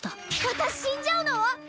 私死んじゃうの！？